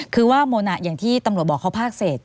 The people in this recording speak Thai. คือว่ามนต์อย่างที่ตำรวจบอกเขาภาคเศษ